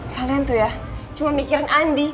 kalian tuh ya cuma mikiran andi